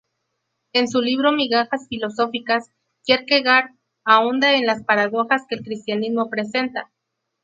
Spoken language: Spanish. En su libro Migajas filosóficas, Kierkegaard ahonda en las paradojas que el cristianismo presenta.